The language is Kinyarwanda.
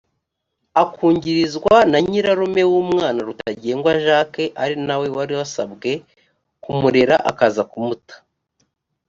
akungirizwa na nyirarume w’umwana rutagengwa jacques ari na we wari wasabwe kumurera akaza kumuta